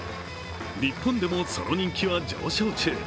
日本でもその人気は上昇中。